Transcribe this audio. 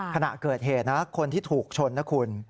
ขณะเกิดเหตุนะคนที่ถูกชนนะคุณ